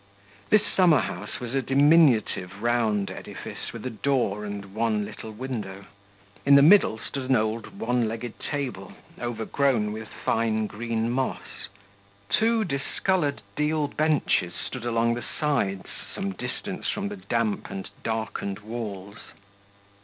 This summer house was a diminutive round edifice, with a door and one little window. In the middle stood an old one legged table, overgrown with fine green moss; two discoloured deal benches stood along the sides, some distance from the damp and darkened walls.